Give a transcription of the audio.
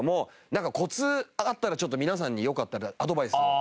なんかコツあったらちょっと皆さんによかったらアドバイスを。